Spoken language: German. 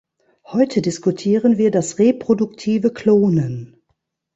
Heute diskutieren wir das reproduktive Klonen.